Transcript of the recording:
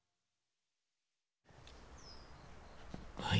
はい。